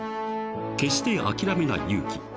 ［決して諦めない勇気］